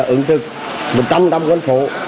ứng thực một trăm linh năm quân phố